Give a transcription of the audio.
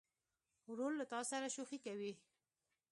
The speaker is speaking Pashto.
ورور له تا سره شوخي کوي.